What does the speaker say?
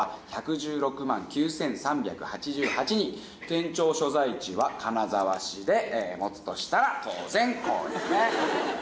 県庁所在地は金沢市で持つとしたら当然こうですね。